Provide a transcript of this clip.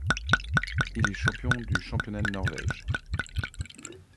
Il est champion du Championnat de Norvège.